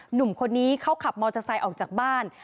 หนุ่มคนนี้เขาขับมอเตอร์ไซค์ออกจากบ้าน